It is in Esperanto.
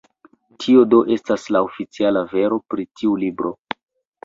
Tio do estas la oficiala vero pri tiu libro.